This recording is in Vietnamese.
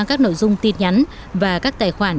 các nội dung tin nhắn và các tài khoản